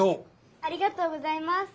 ありがとうございます。